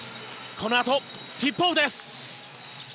このあとティップオフです。